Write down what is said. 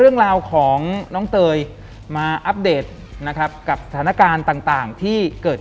หลังจากนั้นเราไม่ได้คุยกันนะคะเดินเข้าบ้านอืม